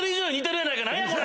何や⁉これ！